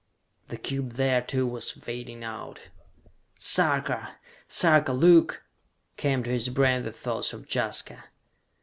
The cube there, too, was fading out. "Sarka! Sarka! Look!" came to his brain the thoughts of Jaska.